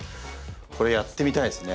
これやってみたいですね